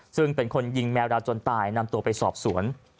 ซึ่งเป็นคนยิงแมวดาวจนตายนำตัวไปสอบสวน